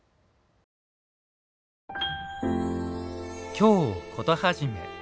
「京コトはじめ」